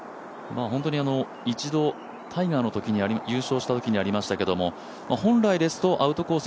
一度、タイガーが優勝したときにありましたけれども、本来ですとアウトコース